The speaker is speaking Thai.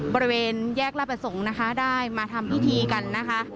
บริเวณแยกราชประสงค์นะคะได้มาทำพิธีกันนะคะ